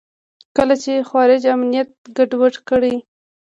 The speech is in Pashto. کله چې خوارج امنیت ګډوډ کړي.